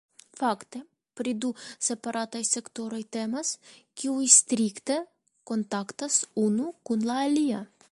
Fakte, pri du separataj sektoroj temas, kiuj strikte kontaktas unu kun la alia.